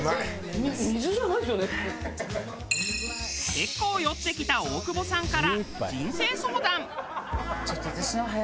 結構酔ってきた大久保さんから人生相談。